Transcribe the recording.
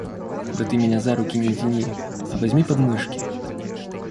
Да ты меня за руки не тяни, а возьми под мышки.